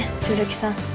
鈴木さん